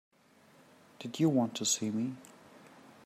Did you want to see me?